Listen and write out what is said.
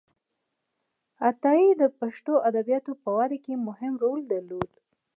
عطایي د پښتو ادبياتو په وده کې مهم رول درلود.